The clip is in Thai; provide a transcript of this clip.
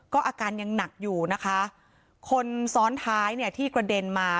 อาการยังหนักอยู่นะคะคนซ้อนท้ายเนี่ยที่กระเด็นมา